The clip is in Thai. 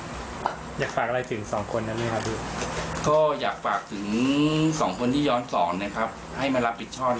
อยากฝากอะไรถึง๒คนนี้ครับสฤพธิ์ก็อยากฝากถึง๒คนที่ย้อนสองนะครับให้มารับผิดชอบแล้ว